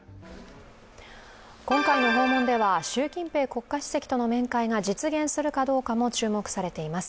今回の訪問では習近平国家主席との面会が実現するかどうかも注目されています。